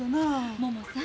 ももさん